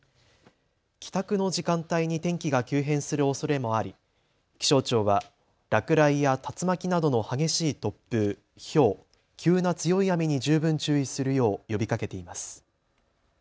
帰宅の時間帯に天気が急変するおそれもあり気象庁は落雷や竜巻などの激しい突風、ひょう、急な強い雨に十分注意するよう呼びかけています。